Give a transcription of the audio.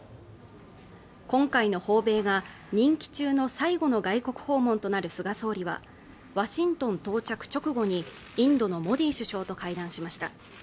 今回の訪米が任期中の最後の外国訪問となる菅総理はワシントン到着直後にインドのモディ首相と会談しました。